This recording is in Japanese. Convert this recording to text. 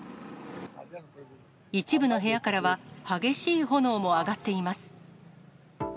一部の部屋からは、激しい炎も上がっています。